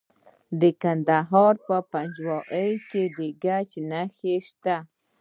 د کندهار په پنجوايي کې د ګچ نښې شته.